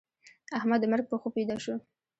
احمد د مرګ په خوب ويده شو.